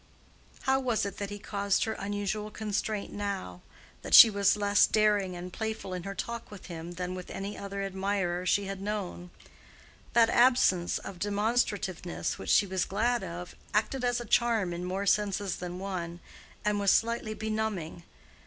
How was it that he caused her unusual constraint now?—that she was less daring and playful in her talk with him than with any other admirer she had known? That absence of demonstrativeness which she was glad of, acted as a charm in more senses than one, and was slightly benumbing.